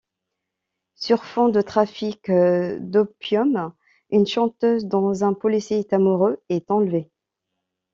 Sur fond de trafic d'opium, une chanteuse dont un policier est amoureux est enlevée.